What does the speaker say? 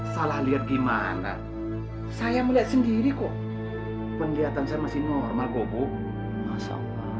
salah lihat gimana saya melihat sendiri kok penglihatan saya masih normal kok bu masa